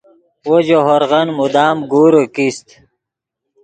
وو ژے ہورغن مدام گورے کیست